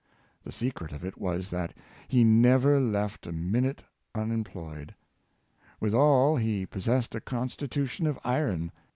The secret of it was, that he never left a minute unemployed; withal he possessed a constitution of iron.